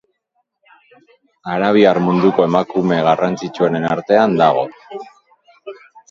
Arabiar munduko emakume garrantzitsuenen artean dago.